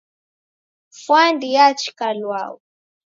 Fwandi yachika lwau